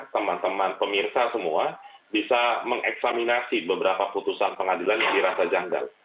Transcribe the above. teman teman pemirsa semua bisa mengeksaminasi beberapa putusan pengadilan yang dirasa janggal